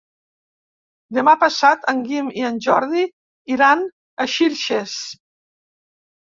Demà passat en Guim i en Jordi iran a Xilxes.